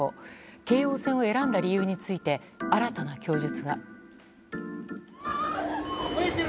京王線を選んだ理由について新たな供述が。